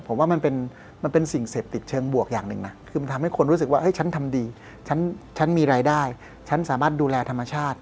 ผมว่ามันเป็นสิ่งเสพติดเชิงบวกอย่างหนึ่งนะคือมันทำให้คนรู้สึกว่าฉันทำดีฉันมีรายได้ฉันสามารถดูแลธรรมชาติ